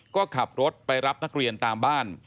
ก็ขับรถไปรับนักเรียนตามบ้าน